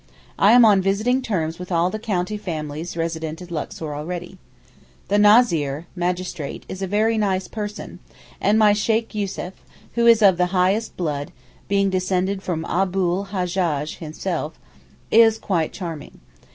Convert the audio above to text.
I am on visiting terms with all the 'county families' resident in Luxor already. The Názir (magistrate) is a very nice person, and my Sheykh Yussuf, who is of the highest blood (being descended from Abu l Hajjaj himself), is quite charming.